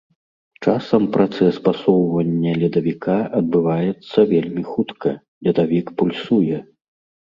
Часам працэс пасоўвання ледавіка адбываецца вельмі хутка, ледавік пульсуе.